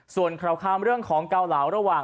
ส่วนคร่าวค้ามันเรื่องของเก้าเหลาระหว่าง